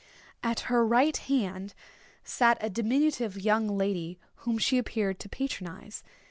At her right hand sat a diminutive young lady whom she appeared to patronise.